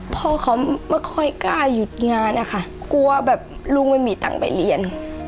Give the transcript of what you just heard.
พ่อเขาไม่ค่อยกล้าหยุดงานนะคะกลัวแบบลูกไม่มีตังค์ไปเรียน